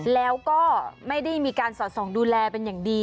แล้วก็ไม่ได้มีการสอดส่องดูแลเป็นอย่างดี